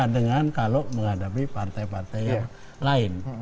dengan kalau menghadapi partai partai yang lain